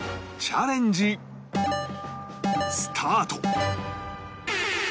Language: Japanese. チャレンジスタート！